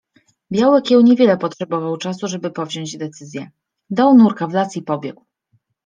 Biały kieł niewiele potrzebował czasu, żeby powziąć decyzję. Dał nurka w las i pobiegł